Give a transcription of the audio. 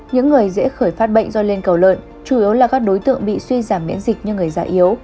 những người dễ khởi phát bệnh do lên cầu lợn chủ yếu là các đối tượng bị suy giảm miễn dịch như người già yếu